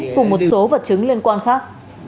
cùng một số vật chứng liên quan khác